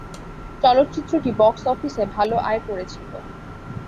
চলচ্চিত্রটি বক্স অফিসে ভালো আয় করেছিল।